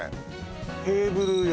テーブルよ